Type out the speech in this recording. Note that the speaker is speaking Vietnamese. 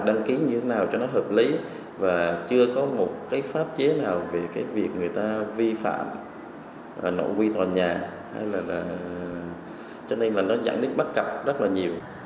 đăng ký như thế nào cho nó hợp lý và chưa có một cái pháp chế nào về cái việc người ta vi phạm nội quy tòa nhà hay là cho nên là nó dẫn đến bắt cập rất là nhiều